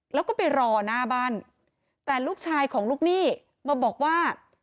แล้วก็ไปรอหน้าบ้านแต่ลูกชายของลูกหนี้มาบอกว่า